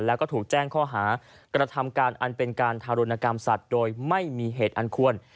แล้วก็ถูกแจ้งข้อหากระทำการอันเป็นการทารุณกรรมสัตว์โดยไม่มีเหตุอันควร